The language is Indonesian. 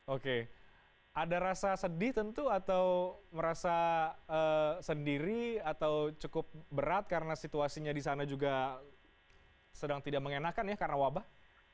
oke ada rasa sedih tentu atau merasa sendiri atau cukup berat karena situasinya di sana juga sedang tidak mengenakan ya karena wabah